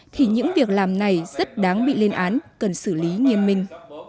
thì những việc làm này rất đáng bị lên án cần xử lý nghiêm minh